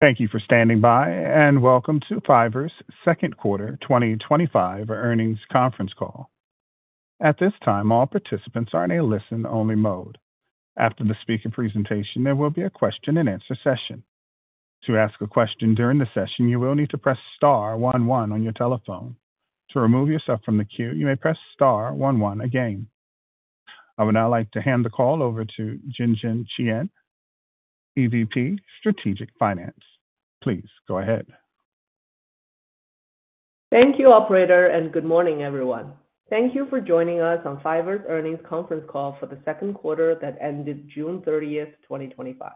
Thank you for standing by and welcome to Fiverr's second quarter 2025 earnings conference call. At this time, all participants are in a listen-only mode. After the speaker presentation, there will be a question and answer session. To ask a question during the session, you will need to press *11 on your telephone. To remove yourself from the queue, you may press *11 again. I would now like to hand the call over to Jinjin Qian, Executive Vice President, Strategic Finance. Please go ahead. Thank you, operator, and good morning, everyone. Thank you for joining us on Fiverr's earnings conference call for the second quarter that ended June 30, 2025.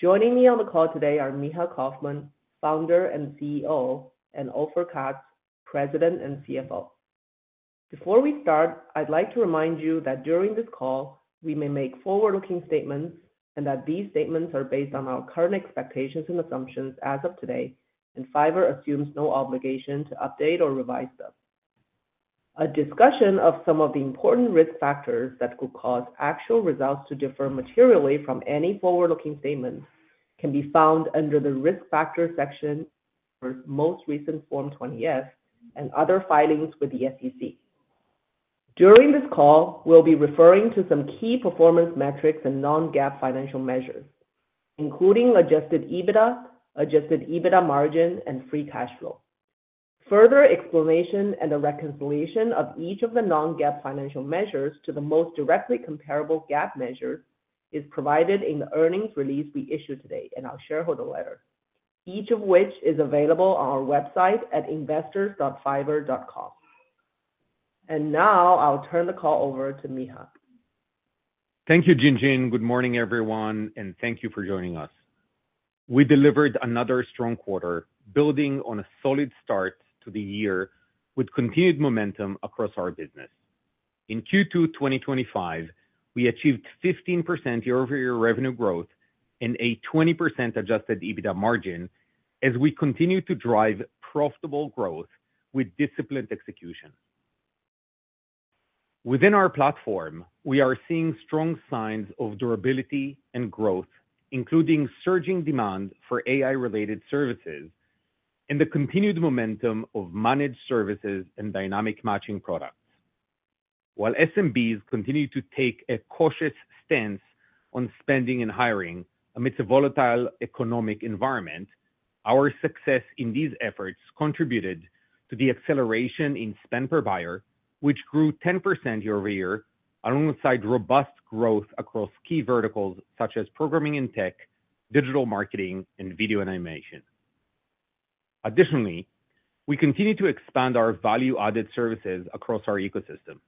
Joining me on the call today are Micha Kaufman, Founder and CEO, and Ofer Katz, President and CFO. Before we start, I'd like to remind you that during this call, we may make forward-looking statements and that these statements are based on our current expectations and assumptions as of today, and Fiverr assumes no obligation to update or revise them. A discussion of some of the important risk factors that could cause actual results to differ materially from any forward-looking statement can be found under the risk factors section for the most recent Form 20-S and other filings with the SEC. During this call, we'll be referring to some key performance metrics and non-GAAP financial measures, including adjusted EBITDA, adjusted EBITDA margin, and free cash flow. Further explanation and a reconciliation of each of the non-GAAP financial measures to the most directly comparable GAAP measures is provided in the earnings release we issued today and our shareholder letter, each of which is available on our website at investors.fiverr.com. I'll turn the call over to Micha. Thank you, Jinjin. Good morning, everyone, and thank you for joining us. We delivered another strong quarter, building on a solid start to the year with continued momentum across our business. In Q2 2025, we achieved 15% year-over-year revenue growth and a 20% adjusted EBITDA margin as we continue to drive profitable growth with disciplined execution. Within our platform, we are seeing strong signs of durability and growth, including surging demand for AI-related services and the continued momentum of Managed Services and Dynamic Matching products. While SMBs continue to take a cautious stance on spending and hiring amidst a volatile economic environment, our success in these efforts contributed to the acceleration in spend per buyer, which grew 10% year-over-year, alongside robust growth across key verticals such as Programming & Tech, Digital Marketing, and Cideo Animation. Additionally, we continue to expand our value-added services across our ecosystem.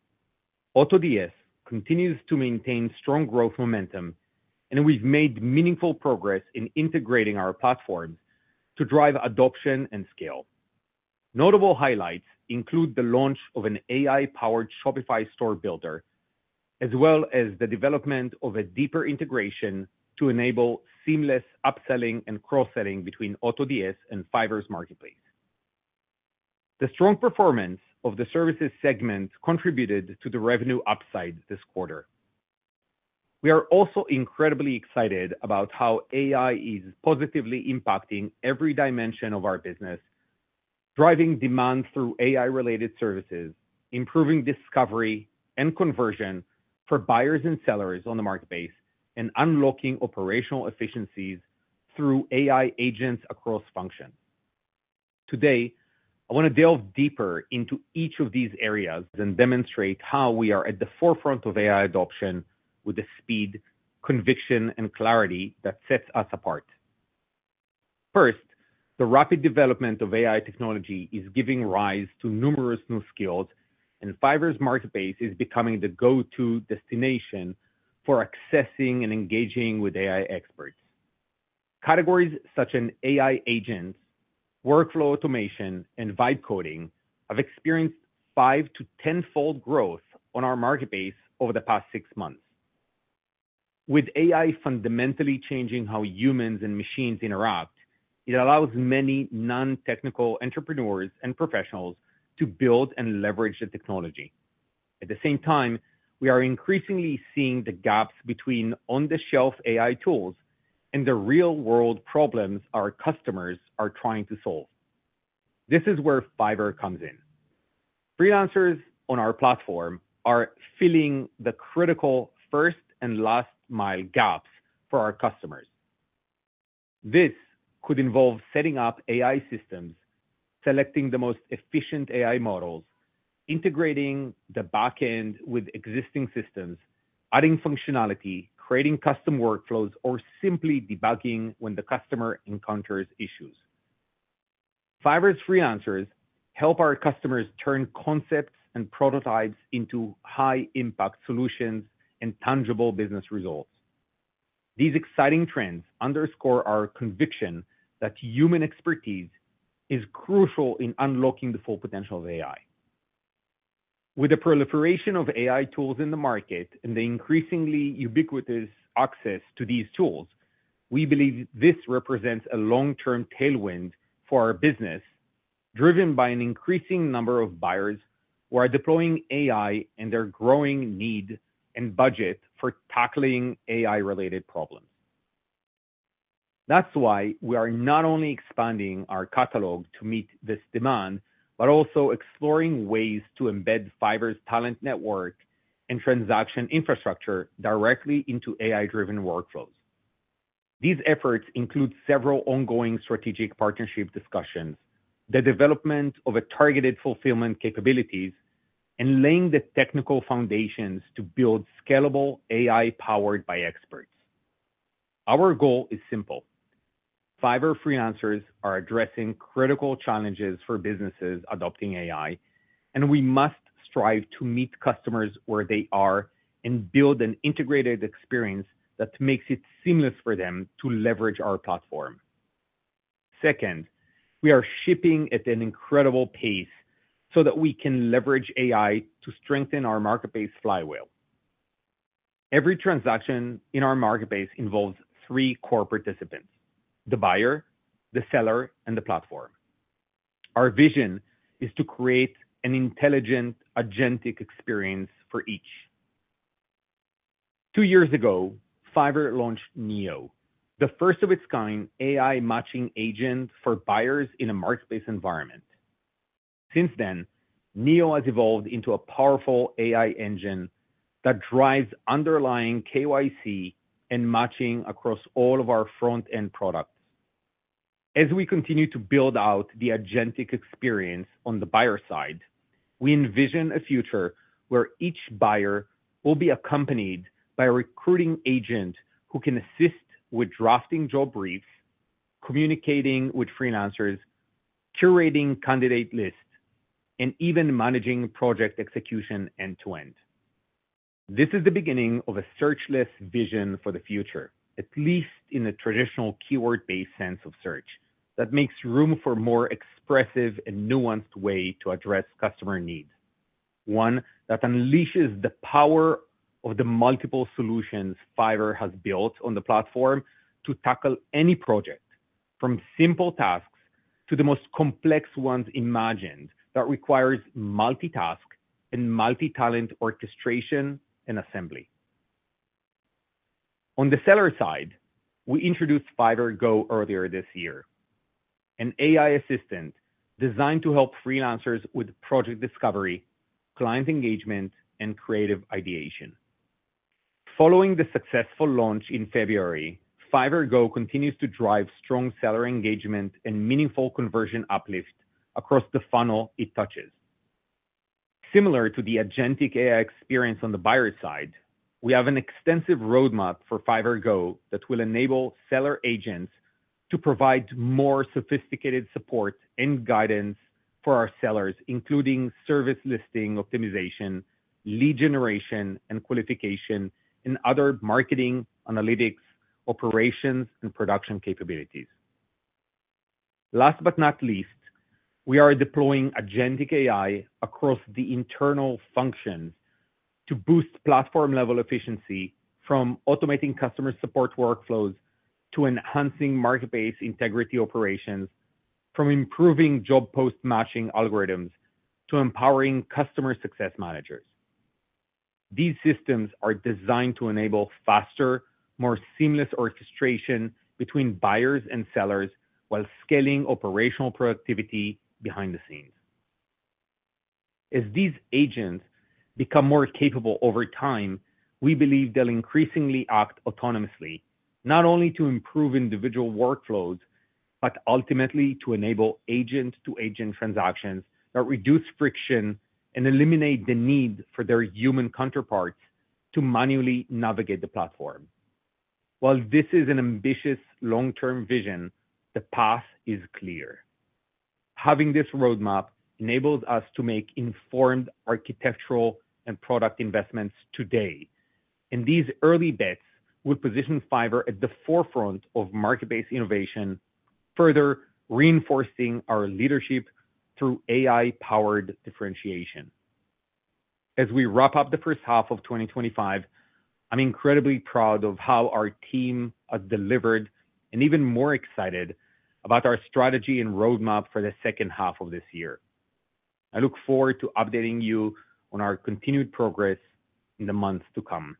AutoDS continues to maintain strong growth momentum, and we've made meaningful progress in integrating our platform to drive adoption and scale. Notable highlights include the launch of an AI-powered Shopify Store Builder, as well as the development of a deeper integration to enable seamless upselling and cross-selling between AutoDS and Fiverr's marketplace. The strong performance of the services segment contributed to the revenue upside this quarter. We are also incredibly excited about how AI is positively impacting every dimension of our business, driving demand through AI-related services, improving discovery and conversion for buyers and sellers on the marketplace, and unlocking operational efficiencies through AI agents across functions. Today, I want to delve deeper into each of these areas and demonstrate how we are at the forefront of AI adoption with the speed, conviction, and clarity that sets us apart. First, the rapid development of AI technology is giving rise to numerous new skills, and Fiverr's marketplace is becoming the go-to destination for accessing and engaging with AI experts. Categories such as AI agents, workflow automation, and vibe coding have experienced five to tenfold growth on our marketplace over the past six months. With AI fundamentally changing how humans and machines interact, it allows many non-technical entrepreneurs and professionals to build and leverage the technology. At the same time, we are increasingly seeing the gaps between on-the-shelf AI tools and the real-world problems our customers are trying to solve. This is where Fiverr comes in. Freelancers on our platform are filling the critical first and last-mile gaps for our customers. This could involve setting up AI systems, selecting the most efficient AI models, integrating the backend with existing systems, adding functionality, creating custom workflows, or simply debugging when the customer encounters issues. Fiverr's freelancers help our customers turn concepts and prototypes into high-impact solutions and tangible business results. These exciting trends underscore our conviction that human expertise is crucial in unlocking the full potential of AI. With the proliferation of AI tools in the market and the increasingly ubiquitous access to these tools, we believe this represents a long-term tailwind for our business, driven by an increasing number of buyers who are deploying AI and their growing need and budget for tackling AI-related problems. That's why we are not only expanding our catalog to meet this demand, but also exploring ways to embed Fiverr's talent network and transaction infrastructure directly into AI-driven workflows. These efforts include several ongoing strategic partnership discussions, the development of targeted fulfillment capabilities, and laying the technical foundations to build scalable AI powered by experts. Our goal is simple. Fiverr freelancers are addressing critical challenges for businesses adopting AI, and we must strive to meet customers where they are and build an integrated experience that makes it seamless for them to leverage our platform. Second, we are shipping at an incredible pace so that we can leverage AI to strengthen our marketplace flywheel. Every transaction in our marketplace involves three core participants: the buyer, the seller, and the platform. Our vision is to create an intelligent, agentic experience for each. Two years ago, Fiverr launched Neo, the first of its kind AI matching agent for buyers in a marketplace environment. Since then, Neo has evolved into a powerful AI engine that drives underlying KYC and matching across all of our front-end product. As we continue to build out the agentic experience on the buyer side, we envision a future where each buyer will be accompanied by a recruiting agent who can assist with drafting job briefs, communicating with freelancers, curating candidate lists, and even managing project execution end-to-end. This is the beginning of a search-less vision for the future, at least in the traditional keyword-based sense of search that makes room for a more expressive and nuanced way to address customer needs. One that unleashes the power of the multiple solutions Fiverr has built on the platform to tackle any project, from simple tasks to the most complex ones imagined that require multitask and multi-talent orchestration and assembly. On the seller side, we introduced Fiverr Go earlier this year, an AI assistant designed to help freelancers with project discovery, client engagement, and creative ideation. Following the successful launch in February, Fiverr Go continues to drive strong seller engagement and meaningful conversion uplift across the funnel it touches. Similar to the agentic AI experience on the buyer side, we have an extensive roadmap for Fiverr Go that will enable seller agents to provide more sophisticated support and guidance for our sellers, including service listing optimization, lead generation and qualification, and other marketing analytics, operations, and production capabilities. Last but not least, we are deploying agentic AI across the internal function to boost platform-level efficiency from automating customer support workflows to enhancing marketplace integrity operations, from improving job post-matching algorithms to empowering customer success managers. These systems are designed to enable faster, more seamless orchestration between buyers and sellers while scaling operational productivity behind the scenes. As these agents become more capable over time, we believe they'll increasingly act autonomously, not only to improve individual workflows, but ultimately to enable agent-to-agent transactions that reduce friction and eliminate the need for their human counterparts to manually navigate the platform. While this is an ambitious long-term vision, the path is clear. Having this roadmap enables us to make informed architectural and product investments today, and these early bets would position Fiverr at the forefront of marketplace innovation, further reinforcing our leadership through AI-powered differentiation. As we wrap up the first half of 2025, I'm incredibly proud of how our team has delivered and even more excited about our strategy and roadmap for the second half of this year. I look forward to updating you on our continued progress in the months to come.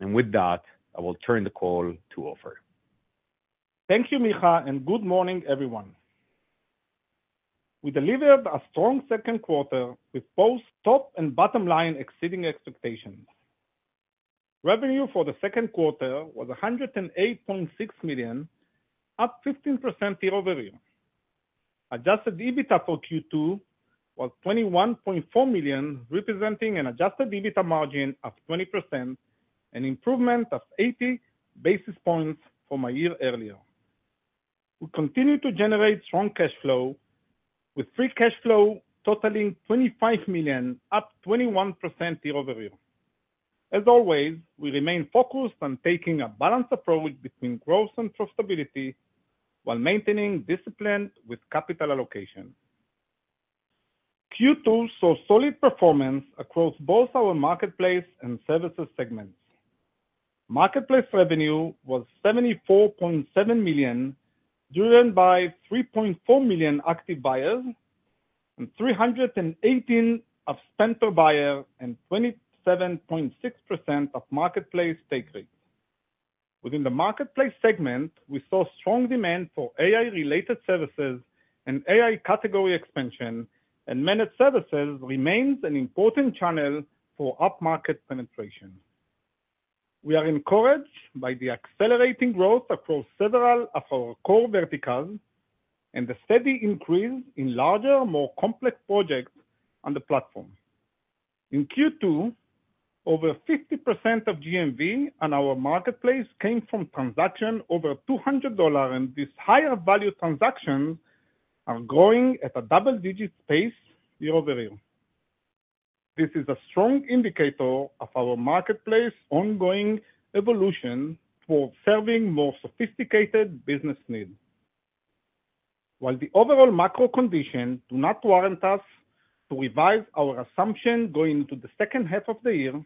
With that, I will turn the call to Ofer. Thank you, Micha, and good morning, everyone. We delivered a strong second quarter with both top and bottom line exceeding expectations. Revenue for the second quarter was $108.6 million, up 15% year-over-year. Adjusted EBITDA for Q2 was $21.4 million, representing an adjusted EBITDA margin of 20%, an improvement of 80 basis points from a year earlier. We continue to generate strong cash flow, with free cash flow totaling $25 million, up 21% year-over-year. As always, we remain focused on taking a balanced approach between growth and profitability while maintaining discipline with capital allocation. Q2 saw solid performance across both our marketplace and services segments. Marketplace revenue was $74.7 million, driven by 3.4 million active buyers and $318 of spend per buyer and 27.6% of marketplace take rate. Within the marketplace segment, we saw strong demand for AI-related services and AI category expansion, and Managed Services remains an important channel for upmarket penetration. We are encouraged by the accelerating growth across several of our core verticals and the steady increase in larger, more complex projects on the platform. In Q2, over 50% of GMV on our marketplace came from transactions over $200, and these higher-value transactions are growing at a double-digit pace year-over-year. This is a strong indicator of our marketplace's ongoing evolution towards serving more sophisticated business needs. While the overall macro conditions do not warrant us to revise our assumption going into the second half of the year,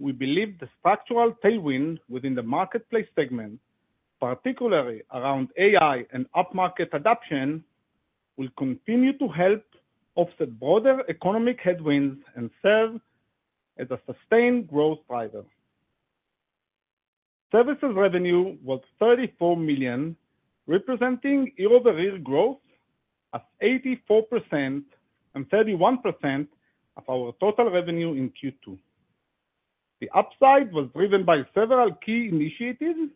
we believe the structural tailwind within the marketplace segment, particularly around AI and upmarket adoption, will continue to help offset broader economic headwinds and serve as a sustained growth driver. Services revenue was $34 million, representing year-over-year growth at 84% and 31% of our total revenue in Q2. The upside was driven by several key initiatives,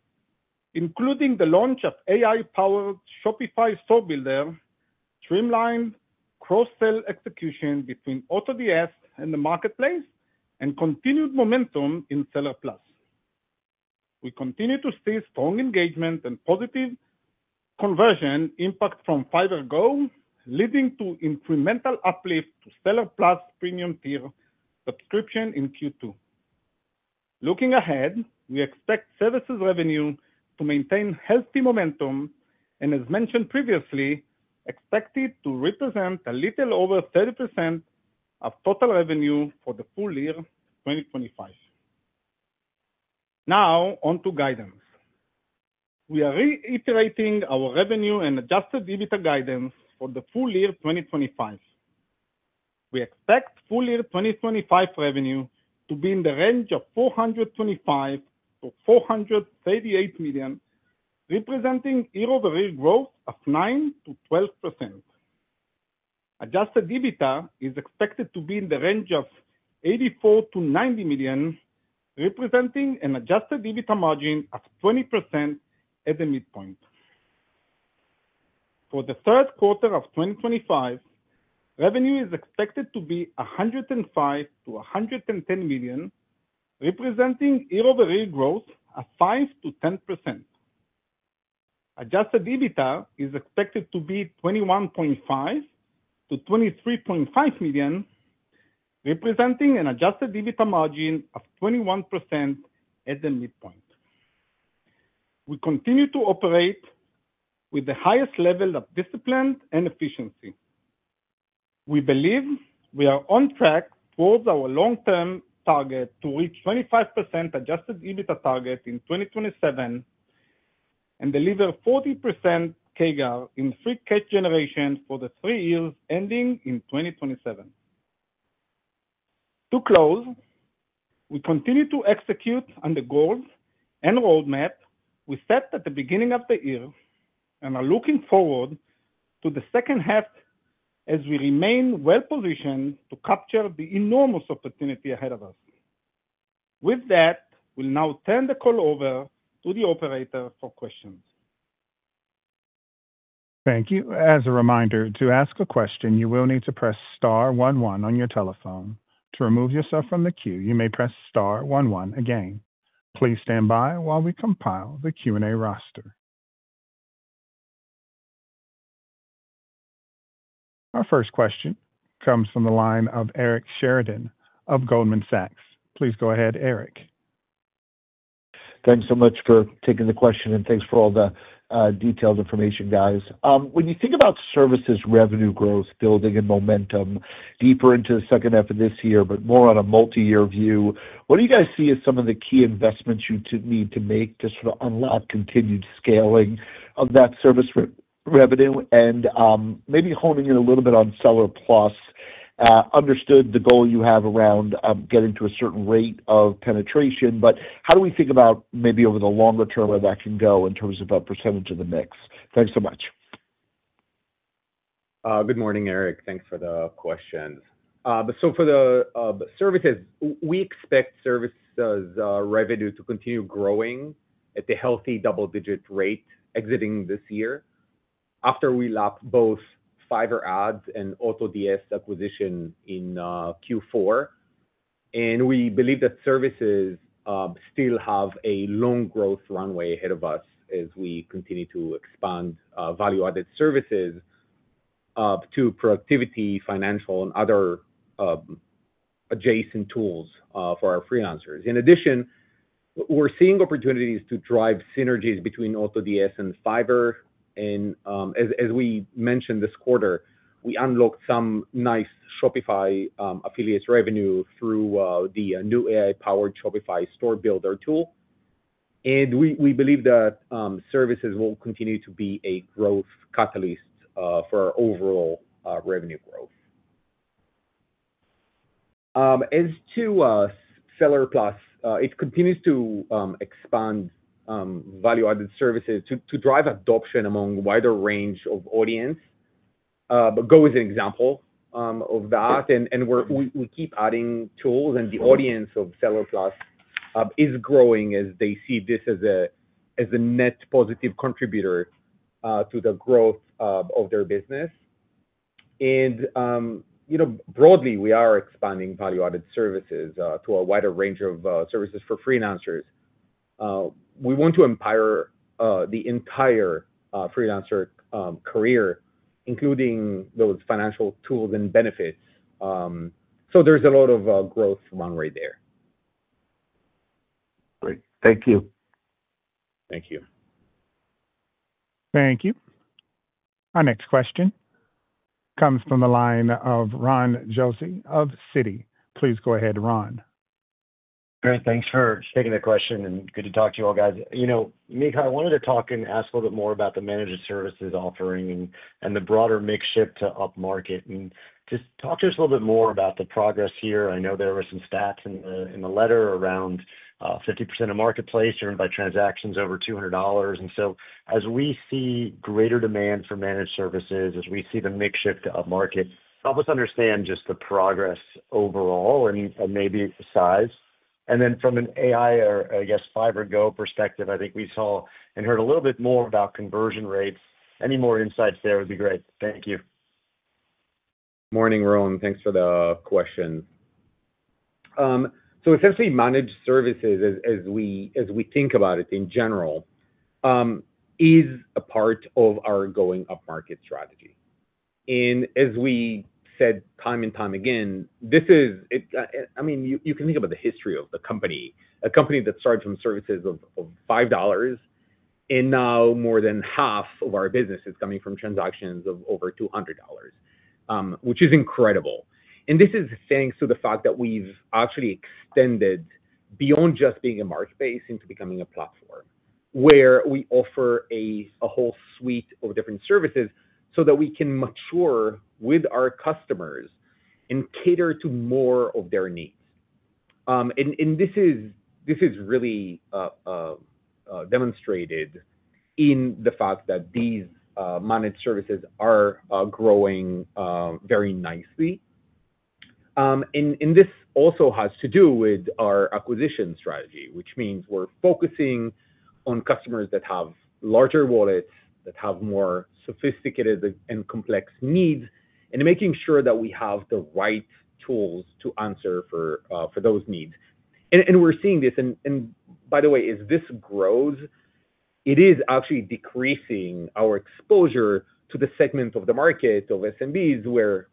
including the launch of AI-powered Shopify Store Builder, streamlined cross-sell execution between AutoDS and the marketplace, and continued momentum in Seller Plus. We continue to see strong engagement and positive conversion impact from Fiverr Go, leading to incremental uplift to Seller Plus Premium Tier subscription in Q2. Looking ahead, we expect services revenue to maintain healthy momentum and, as mentioned previously, expect it to represent a little over 30% of total revenue for the full year 2025. Now, on to guidance. We are reiterating our revenue and adjusted EBITDA guidance for the full year 2025. We expect full year 2025 revenue to be in the range of $425 million-$438 million, representing year-over-year growth of 9% to 12%. Adjusted EBITDA is expected to be in the range of $84 million to $90 million, representing an adjusted EBITDA margin of 20% as a midpoint. For the third quarter of 2025, revenue is expected to be $105 million to $110 million, representing year-over-year growth of 5% to 10%. Adjusted EBITDA is expected to be $21.5 million to $23.5 million, representing an adjusted EBITDA margin of 21% as a midpoint. We continue to operate with the highest level of discipline and efficiency. We believe we are on track towards our long-term target to reach 25% adjusted EBITDA target in 2027 and deliver 40% CAGR in free cash generation for the three years ending in 2027. To close, we continue to execute on the goals and roadmap we set at the beginning of the year and are looking forward to the second half as we remain well-positioned to capture the enormous opportunity ahead of us. With that, we'll now turn the call over to the operator for questions. Thank you. As a reminder, to ask a question, you will need to press star 11 on your telephone. To remove yourself from the queue, you may press star 11 again. Please stand by while we compile the Q&A roster. Our first question comes from the line of Eric Sheridan of Goldman Sachs. Please go ahead, Eric. Thanks so much for taking the question and thanks for all the detailed information, guys. When you think about services revenue growth, building in momentum deeper into the second half of this year, but more on a multi-year view, what do you guys see as some of the key investments you need to make to sort of unlock continued scaling of that service revenue and maybe honing in a little bit on Seller Plus? Understood the goal you have around getting to a certain rate of penetration, but how do we think about maybe over the longer term where that can go in terms of a percentage of the mix? Thanks so much. Good morning, Eric. Thanks for the questions. For the services, we expect services revenue to continue growing at the healthy double-digit rate exiting this year after we locked both Fiverr Ads and AutoDS acquisition in Q4. We believe that services still have a long growth runway ahead of us as we continue to expand value-added services to productivity, financial, and other adjacent tools for our freelancers. In addition, we're seeing opportunities to drive synergies between AutoDS and Fiverr. As we mentioned this quarter, we unlocked some nice Shopify affiliates revenue through the new AI-powered Shopify Store Builder tool. We believe that services will continue to be a growth catalyst for our overall revenue growth. As to Seller Plus, it continues to expand value-added services to drive adoption among a wider range of audiences. Go is an example of that, and we keep adding tools, and the audience of Seller Plus is growing as they see this as a net positive contributor to the growth of their business. Broadly, we are expanding value-added services to a wider range of services for freelancers. We want to empower the entire freelancer career, including those financial tools and benefits. There's a lot of growth runway there. Thank you. Thank you. Thank you. Our next question comes from the line of Ron Josey of Citi. Please go ahead, Ron. Thanks for taking the question, and good to talk to you all, guys. You know, Micha, I wanted to talk and ask a little bit more about the Managed Services offering and the broader makeshift to upmarket. Just talk to us a little bit more about the progress here. I know there were some stats in the letter around 50% of marketplace earned by transactions over $200. As we see greater demand for Managed Services, as we see the makeshift to upmarket, help us understand just the progress overall and maybe size. From an AI or, I guess, Fiverr Go perspective, I think we saw and heard a little bit more about conversion rates. Any more insights there would be great. Thank you. Morning, Ron. Thanks for the question. Essentially, Managed Services, as we think about it in general, is a part of our going upmarket strategy. As we said time and time again, this is, I mean, you can think about the history of the company, a company that started from services of $5, and now more than half of our business is coming from transactions of over $200, which is incredible. This is thanks to the fact that we've actually extended beyond just being a marketplace into becoming a platform where we offer a whole suite of different services so that we can mature with our customers and cater to more of their needs. This is really demonstrated in the fact that these Managed Services are growing very nicely. This also has to do with our acquisition strategy, which means we're focusing on customers that have larger wallets, that have more sophisticated and complex needs, and making sure that we have the right tools to answer for those needs. We're seeing this, and by the way, as this grows, it is actually decreasing our exposure to the segment of the market of SMBs where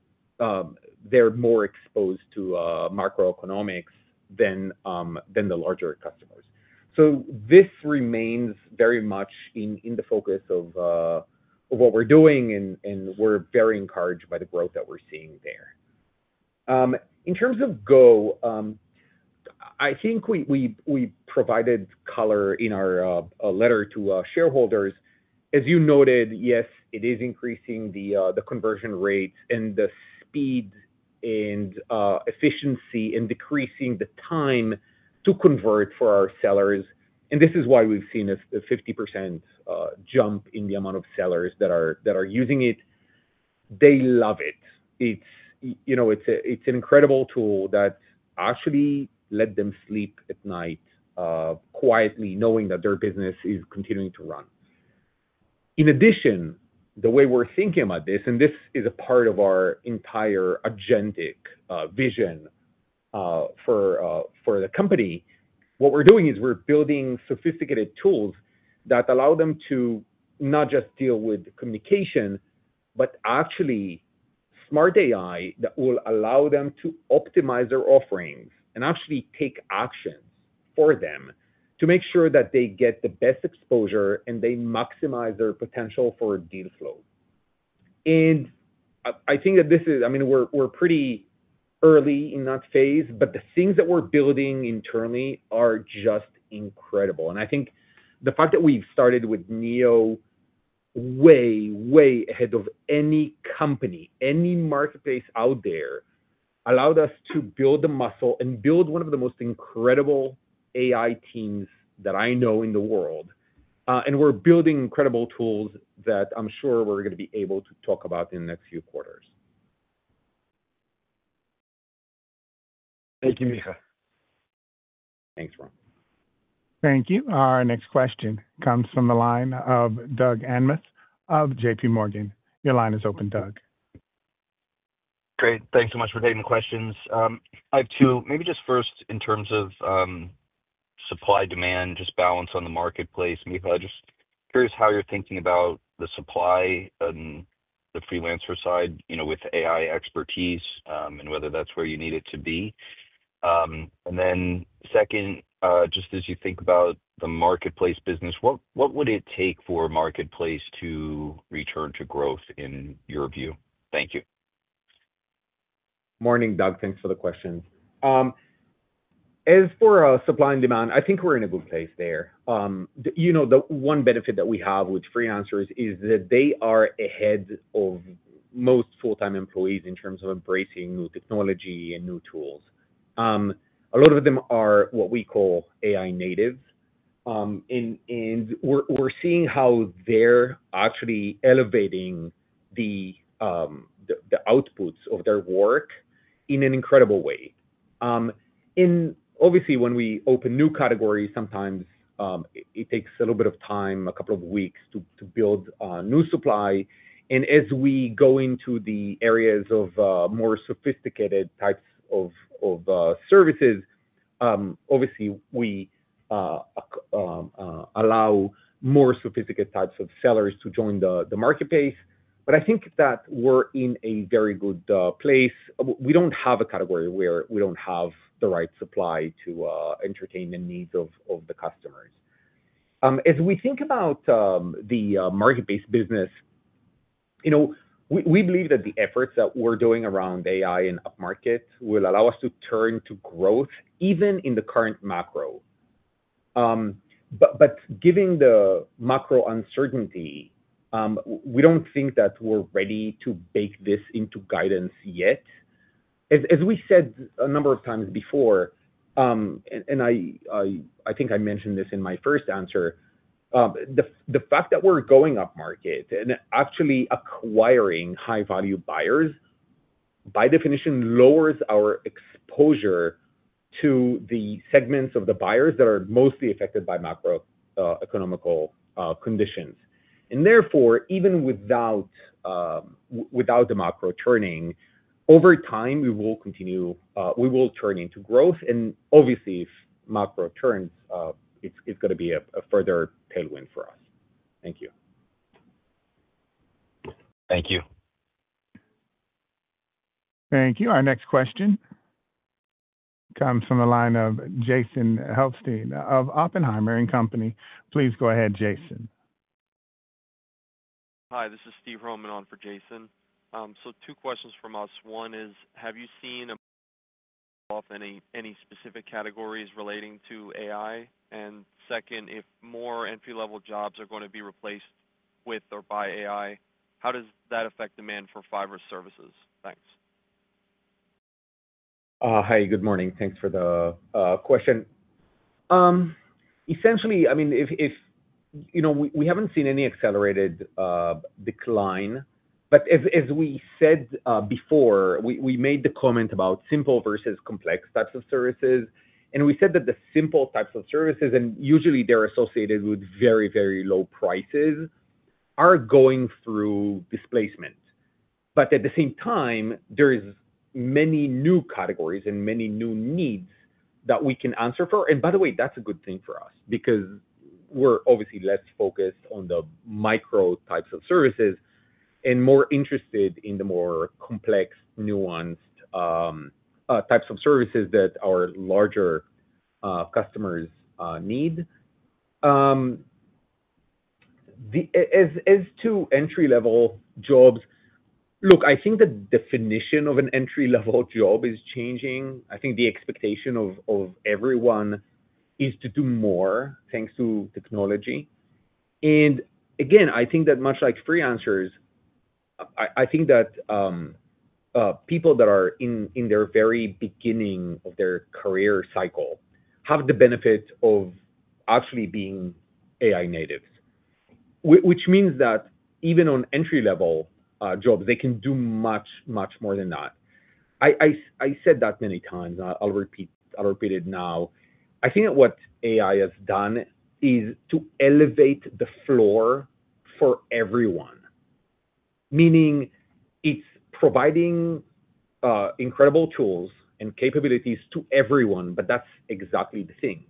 they're more exposed to macroeconomic than the larger customers. This remains very much in the focus of what we're doing, and we're very encouraged by the growth that we're seeing there. In terms of Go, I think we provided color in our letter to shareholders. As you noted, yes, it is increasing the conversion rates and the speed and efficiency and decreasing the time to convert for our sellers. This is why we've seen a 50% jump in the amount of sellers that are using it. They love it. It's an incredible tool that actually lets them sleep at night quietly, knowing that their business is continuing to run. In addition, the way we're thinking about this, and this is a part of our entire agentic vision for the company, what we're doing is we're building sophisticated tools that allow them to not just deal with communication, but actually smart AI that will allow them to optimize their offerings and actually take action for them to make sure that they get the best exposure and they maximize their potential for deal flow. I think that this is, I mean, we're pretty early in that phase, but the things that we're building internally are just incredible. I think the fact that we've started with Neo way, way ahead of any company, any marketplace out there allowed us to build the muscle and build one of the most incredible AI teams that I know in the world. We're building incredible tools that I'm sure we're going to be able to talk about in the next few quarters. Thank you, Micha. Thanks, Ron. Thank you. Our next question comes from the line of Doug Anmuth of J.P. Morgan. Your line is open, Doug. Great. Thanks so much for taking the questions. I have two. Maybe just first, in terms of supply-demand balance on the marketplace, Micha, just curious how you're thinking about the supply and the freelancer side, you know, with AI expertise and whether that's where you need it to be. Then second, just as you think about the marketplace business, what would it take for a marketplace to return to growth in your view? Thank you. Morning, Doug. Thanks for the question. As for supply and demand, I think we're in a good place there. The one benefit that we have with freelancers is that they are ahead of most full-time employees in terms of embracing new technology and new tools. A lot of them are what we call AI native. We're seeing how they're actually elevating the outputs of their work in an incredible way. Obviously, when we open new categories, sometimes it takes a little bit of time, a couple of weeks to build new supply. As we go into the areas of more sophisticated types of services, we allow more sophisticated types of sellers to join the marketplace. I think that we're in a very good place. We don't have a category where we don't have the right supply to entertain the needs of the customers. As we think about the marketplace business, we believe that the efforts that we're doing around AI and upmarket will allow us to turn to growth even in the current macro. Given the macro uncertainty, we don't think that we're ready to bake this into guidance yet. As we said a number of times before, and I think I mentioned this in my first answer, the fact that we're going upmarket and actually acquiring high-value buyers, by definition, lowers our exposure to the segments of the buyers that are mostly affected by macroeconomic conditions. Therefore, even without the macro turning, over time, we will continue to turn into growth. Obviously, if macro turns, it's going to be a further tailwind for us. Thank you. Thank you. Thank you. Our next question comes from the line of Jason Helfstein of Oppenheimer & Co. Please go ahead, Jason. Hi, this is Steve Roman on for Jason. Two questions from us. One is, have you seen any specific categories relating to AI? Second, if more entry-level jobs are going to be replaced with or by AI, how does that affect demand for Fiverr services? Thanks. Hi. Good morning. Thanks for the question. Essentially, we haven't seen any accelerated decline. As we said before, we made the comment about simple versus complex types of services. We said that the simple types of services, and usually they're associated with very, very low prices, are going through displacement. At the same time, there are many new categories and many new needs that we can answer for. By the way, that's a good thing for us because we're obviously less focused on the micro types of services and more interested in the more complex, nuanced types of services that our larger customers need. As to entry-level jobs, I think the definition of an entry-level job is changing. I think the expectation of everyone is to do more thanks to technology. I think that much like freelancers, people that are in their very beginning of their career cycle have the benefit of actually being AI native, which means that even on entry-level jobs, they can do much, much more than that. I said that many times. I'll repeat it now. I think that what AI has done is to elevate the floor for everyone, meaning it's providing incredible tools and capabilities to everyone, but that's exactly the thing.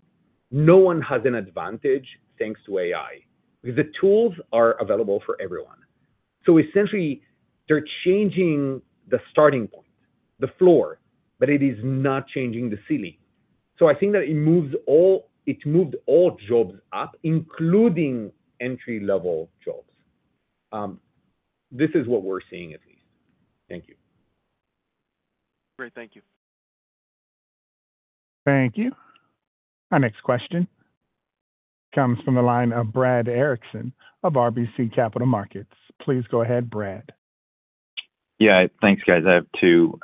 No one has an advantage thanks to AI because the tools are available for everyone. Essentially, they're changing the starting point, the floor, but it is not changing the ceiling. I think that it moved all jobs up, including entry-level jobs. This is what we're seeing at least. Thank you. Great. Thank you. Thank you. Our next question comes from the line of Brad Erickson of RBC Capital Markets. Please go ahead, Brad. Yeah, thanks, guys. I have two.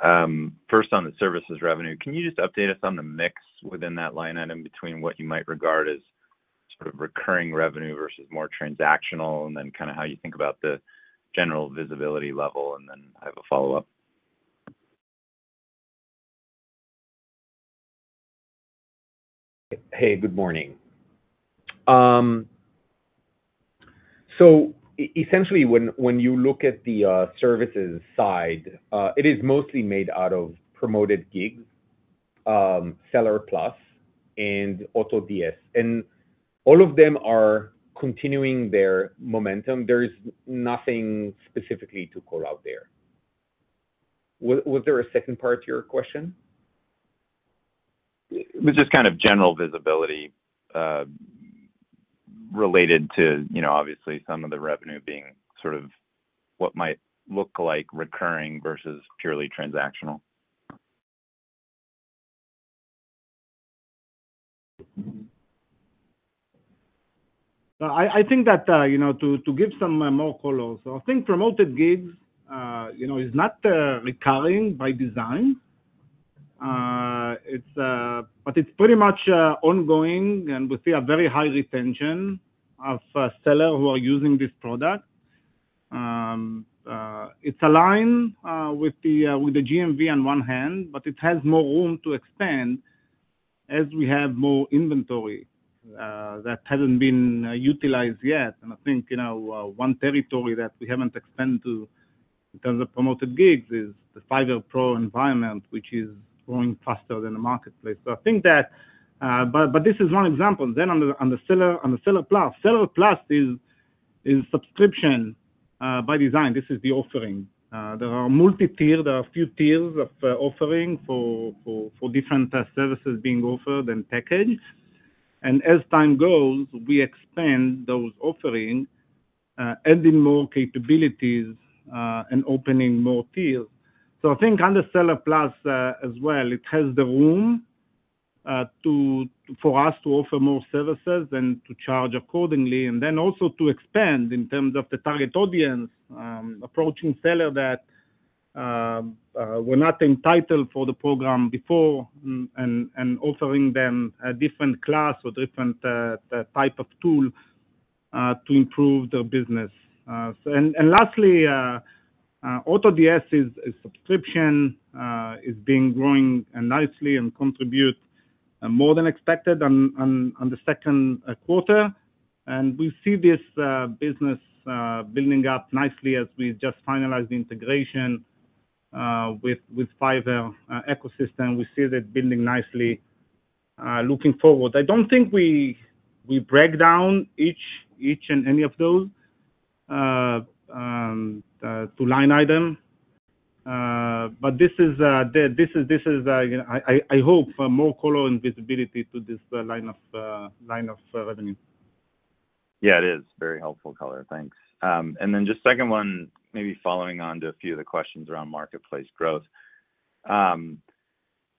First, on the services revenue, can you just update us on the mix within that line item between what you might regard as sort of recurring revenue versus more transactional, and then kind of how you think about the general visibility level? I have a follow-up. Hey, good morning. Essentially, when you look at the services side, it is mostly made out of Promoted Gig, Seller Plus, and AutoDS. All of them are continuing their momentum. There is nothing specifically to call out there. Was there a second part to your question? It was just kind of general visibility related to, you know, obviously, some of the revenue being sort of what might look like recurring versus purely transactional. I think that, you know, to give some more calls, I think Promoted Gig, you know, is not recurring by design, but it's pretty much ongoing, and we see a very high retention of sellers who are using this product. It's aligned with the GMV on one hand, but it has more room to expand as we have more inventory that hasn't been utilized yet. I think, you know, one territory that we haven't expanded to in terms of Promoted Gig is the Fiverr Pro environment, which is growing faster than the marketplace. This is one example. On the Seller Plus, Seller Plus is a subscription by design. This is the offering. There are multi-tiers. There are a few tiers of offering for different services being offered and packaged. As time goes, we expand those offerings, adding more capabilities, and opening more tiers. I think on the Seller Plus as well, it has the room for us to offer more services and to charge accordingly, and also to expand in terms of the target audience, approaching sellers that were not entitled to the program before and offering them a different class or different type of tool to improve their business. Lastly, AutoDS subscription is being growing nicely and contributes more than expected in the second quarter. We see this business building up nicely as we just finalize the integration with Fiverr ecosystem. We see that building nicely, looking forward. I don't think we break down each and any of those to line items, but this is, I hope, more color and visibility to this line of revenue. Yeah, it is. Very helpful color. Thanks. Just second one, maybe following on to a few of the questions around marketplace growth.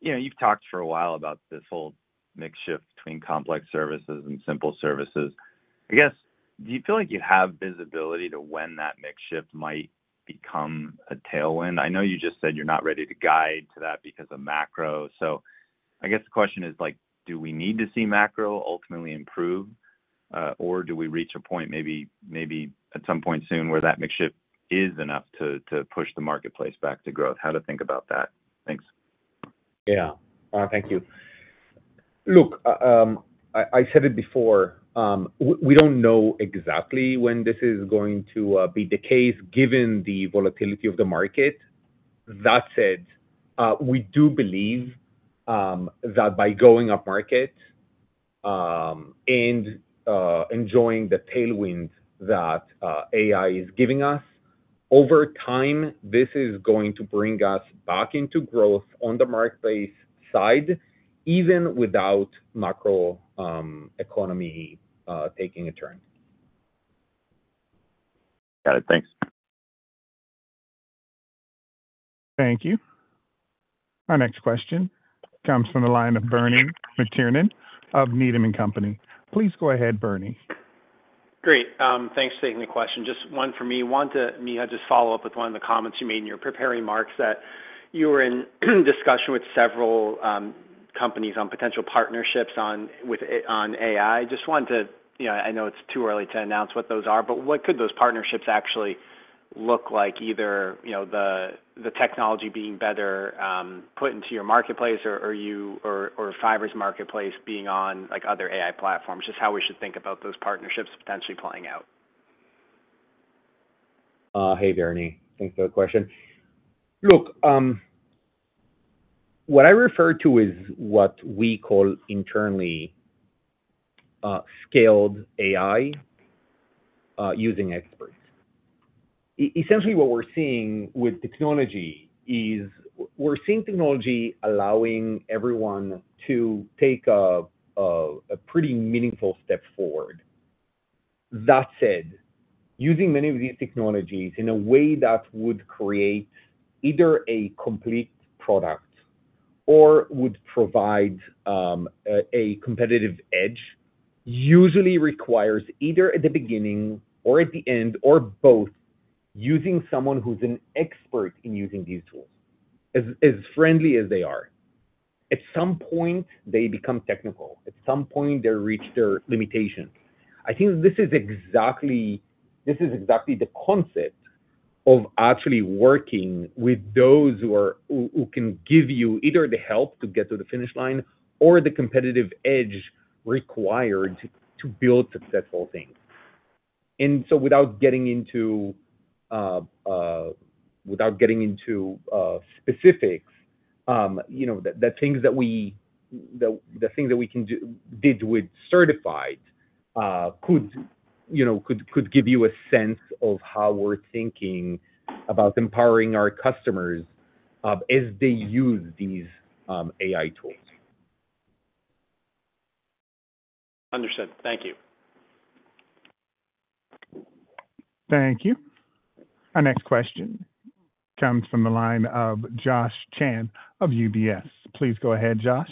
You've talked for a while about this whole makeshift between complex services and simple services. I guess, do you feel like you have visibility to when that makeshift might become a tailwind? I know you just said you're not ready to guide to that because of macro. I guess the question is, do we need to see macro ultimately improve, or do we reach a point maybe at some point soon where that makeshift is enough to push the marketplace back to growth? How to think about that? Thanks. Thank you. Look, I said it before, we don't know exactly when this is going to be the case given the volatility of the market. That said, we do believe that by going upmarket and enjoying the tailwind that AI is giving us, over time, this is going to bring us back into growth on the marketplace side, even without macroeconomy taking a turn. Got it. Thanks. Thank you. Our next question comes from the line of Bernie McTernan of Needham & Company. Please go ahead, Bernie. Great. Thanks for taking the question. Just one for me. I want to, Micha, just follow up with one of the comments you made in your prepared remarks that you were in discussion with several companies on potential partnerships on AI. I know it's too early to announce what those are, but what could those partnerships actually look like, either the technology being better put into your marketplace or you or Fiverr's marketplace being on other AI platforms? Just how we should think about those partnerships potentially playing out. Hey, Bernie. Thanks for the question. Look, what I refer to is what we call internally-scaled AI using experts. Essentially, what we're seeing with technology is we're seeing technology allowing everyone to take a pretty meaningful step forward. That said, using many of these technologies in a way that would create either a complete product or would provide a competitive edge usually requires either at the beginning or at the end or both using someone who's an expert in using these tools. As friendly as they are, at some point, they become technical. At some point, they reach their limitation. I think this is exactly the concept of actually working with those who can give you either the help to get to the finish line or the competitive edge required to build successful things. Without getting into specifics, the things that we can do with certified could give you a sense of how we're thinking about empowering our customers as they use these AI tools. Understood. Thank you. Thank you. Our next question comes from the line of Josh Chan of UBS. Please go ahead, Josh.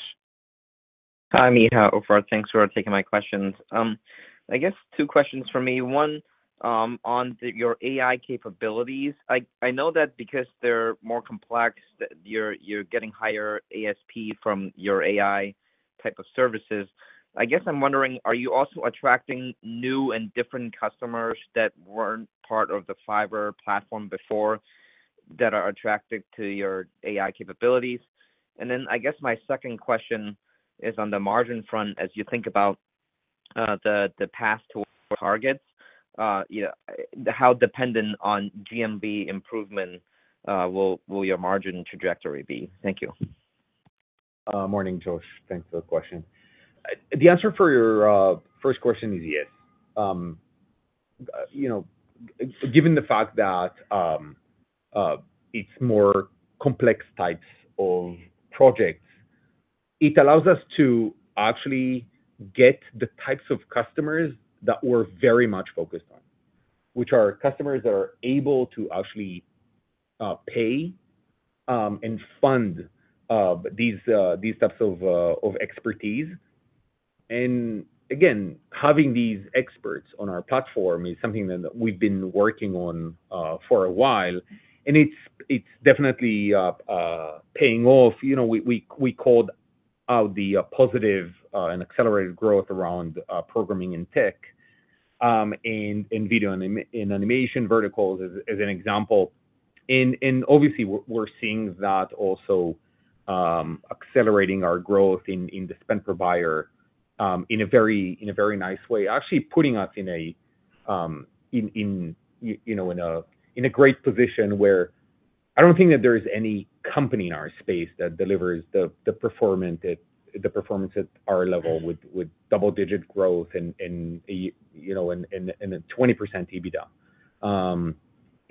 Hi, Micha and Ofer. Thanks for taking my questions. I guess two questions for me. One, on your AI capabilities. I know that because they're more complex, you're getting higher ASP from your AI type of services. I guess I'm wondering, are you also attracting new and different customers that weren't part of the Fiverr platform before that are attracted to your AI capabilities? I guess my second question is on the margin front. As you think about the path to targets, how dependent on GMV improvement will your margin trajectory be? Thank you. Morning, Josh. Thanks for the question. The answer for your first question is yes. Given the fact that it's more complex types of projects, it allows us to actually get the types of customers that we're very much focused on, which are customers that are able to actually pay and fund these types of expertise. Having these experts on our platform is something that we've been working on for a while, and it's definitely paying off. We called out the positive and accelerated growth around Programming & Tech and Video Animation verticals as an example. Obviously, we're seeing that also accelerating our growth in the spend per buyer in a very nice way, actually putting us in a great position where I don't think that there is any company in our space that delivers the performance at our level with double-digit growth and a 20%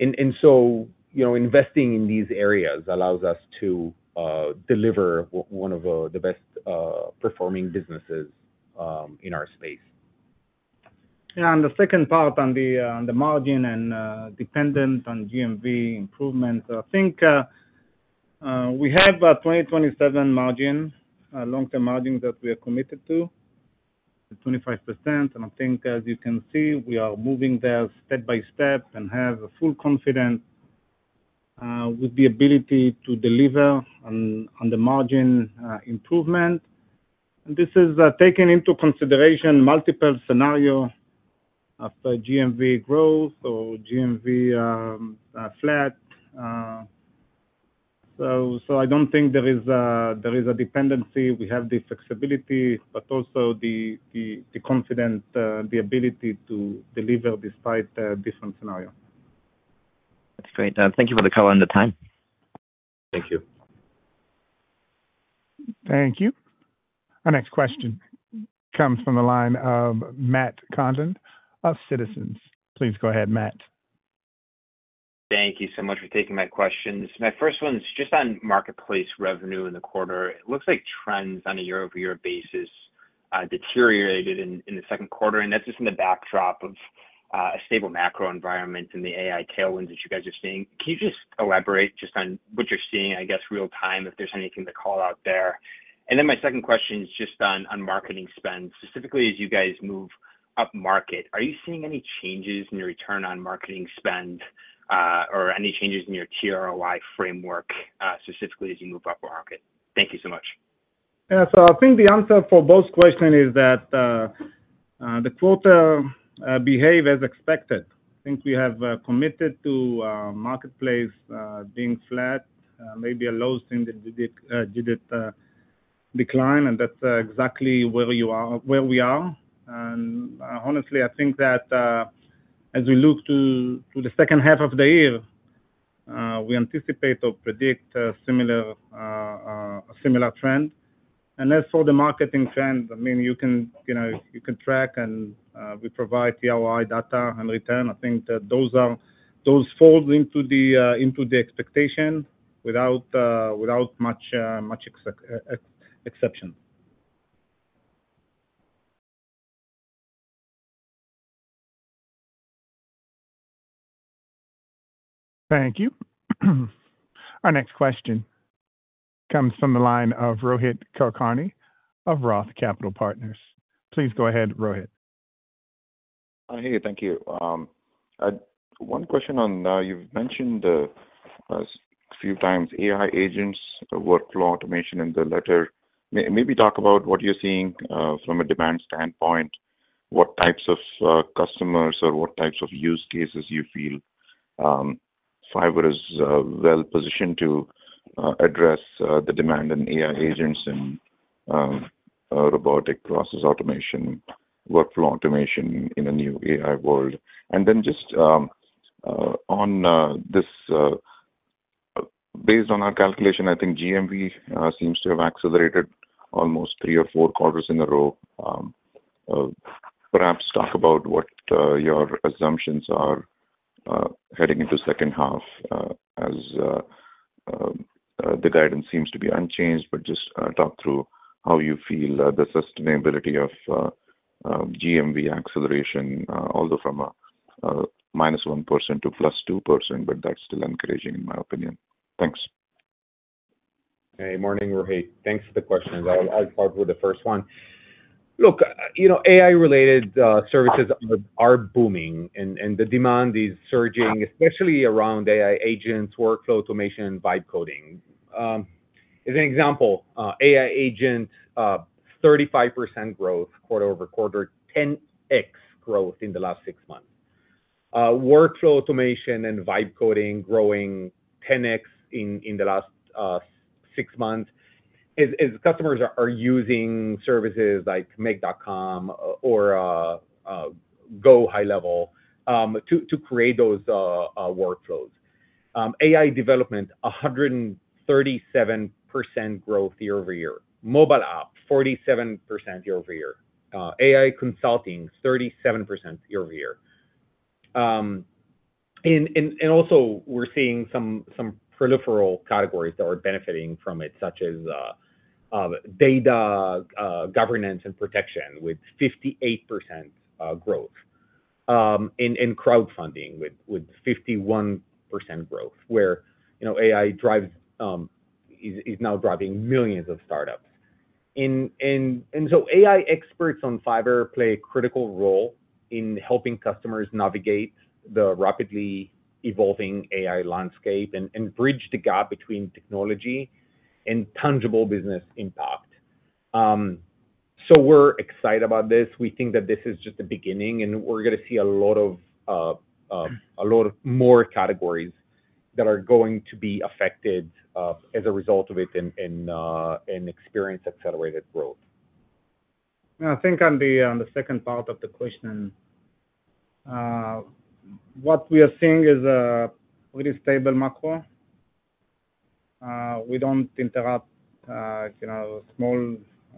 EBITDA. Investing in these areas allows us to deliver one of the best performing businesses in our space. Yeah. The second part on the margin and dependent on GMV improvements, I think we have a 2027 margin, long-term margin that we are committed to, the 25%. I think, as you can see, we are moving there step by step and have full confidence with the ability to deliver on the margin improvement. This is taken into consideration multiple scenarios for GMV growth or GMV flat. I don't think there is a dependency. We have the flexibility, but also the confidence, the ability to deliver despite different scenarios. That's great. Thank you for the call and the time. Thank you. Thank you. Our next question comes from the line of Matt Condon of Citizens. Please go ahead, Matt. Thank you so much for taking my questions. My first one is just on marketplace revenue in the quarter. It looks like trends on a year-over-year basis deteriorated in the second quarter, and that's just in the backdrop of a stable macro environment and the AI tailwinds that you guys are seeing. Can you just elaborate just on what you're seeing, I guess, real-time, if there's anything to call out there? My second question is just on marketing spend. Specifically, as you guys move upmarket, are you seeing any changes in your return on marketing spend or any changes in your TROI framework specifically as you move upmarket? Thank you so much. I think the answer for both questions is that the quarter behaved as expected. I think we have committed to marketplace being flat, maybe a low decline, and that's exactly where we are. Honestly, I think that as we look to the second half of the year, we anticipate or predict a similar trend. As for the marketing trend, you can track and we provide TROI data and return. I think that those fall into the expectation without much exception. Thank you. Our next question comes from the line of Rohit Kulkarni of Roth Capital Partners. Please go ahead, Rohit. Hi. Hey, thank you. One question on, you've mentioned a few times AI agents, workflow automation in the letter. Maybe talk about what you're seeing from a demand standpoint, what types of customers or what types of use cases you feel Fiverr is well-positioned to address the demand in AI agents and robotic process automation, workflow automation in a new AI world. Just based on our calculation, I think GMV seems to have accelerated almost three or four quarters in a row. Perhaps talk about what your assumptions are heading into the second half as the guidance seems to be unchanged, just talk through how you feel the sustainability of GMV acceleration, although from a minus 1% to plus 2%, but that's still increasing in my opinion. Thanks. Hey, morning, Rohit. Thanks for the question. I'll start with the first one. Look, you know, AI-related services are booming, and the demand is surging, especially around AI agents, workflow automation, and vibe coding. As an example, AI agents, 35% growth quarter over quarter, 10x growth in the last six months. Workflow automation and vibe coding growing 10x in the last six months. Customers are using services like Make.com or Go High Level to create those workflows. AI development, 137% growth year over year. Mobile app, 47% year over year. AI consulting, 37% year over year. We're seeing some peripheral categories that are benefiting from it, such as data, governance, and protection with 58% growth. Crowdfunding with 51% growth, where AI is now driving millions of startups. AI experts on Fiverr play a critical role in helping customers navigate the rapidly evolving AI landscape and bridge the gap between technology and tangible business impact. We're excited about this. We think that this is just the beginning, and we're going to see a lot more categories that are going to be affected as a result of it and experience accelerated growth. Yeah, I think on the second part of the question, what we are seeing is a pretty stable macro. We don't interrupt a small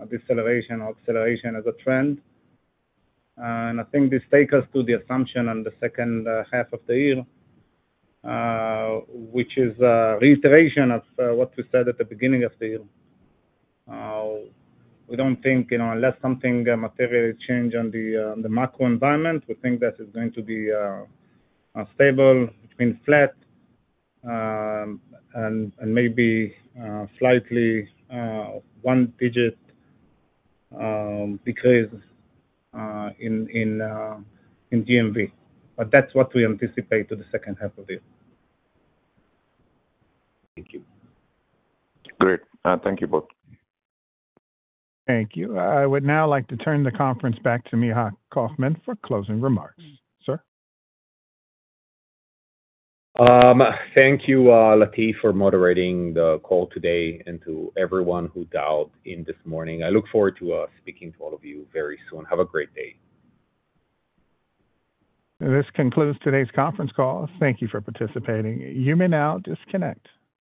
deceleration or acceleration as a trend. I think this takes us to the assumption in the second half of the year, which is a reiteration of what we said at the beginning of the year. We don't think, you know, unless something materially changes on the macro environment, we think this is going to be stable. It's been flat and maybe slightly one digit decrease in GMV. That's what we anticipate to the second half of the year. Thank you. Great. Thank you both. Thank you. I would now like to turn the conference back to Micha Kaufman for closing remarks, sir. Thank you, Latif, for moderating the call today and to everyone who dialed in this morning. I look forward to speaking to all of you very soon. Have a great day. This concludes today's conference call. Thank you for participating. You may now disconnect.